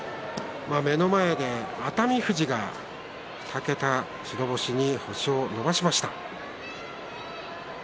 目の前で熱海富士が２桁の白星に星を伸ばしました。